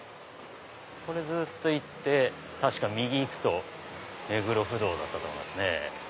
これずっと行って確か右に行くと目黒不動だったと思いますね。